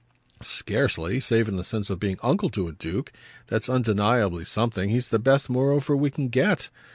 "Scarcely; save in the sense of being uncle to a duke. That's undeniably something. He's the best moreover we can get."